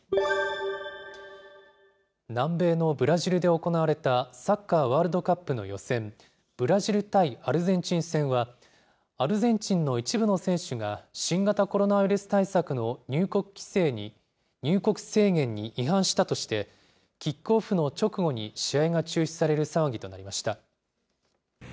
南米のブラジルで行われたサッカーワールドカップの予選、ブラジル対アルゼンチン戦は、アルゼンチンの一部の選手が、新型コロナウイルス対策の入国制限に違反したとして、キックオフの直後に試合が中止される騒ぎとなりました。